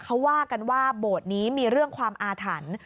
เขาว่ากันว่าโบสถ์นี้มีเรื่องความอาถรรพ์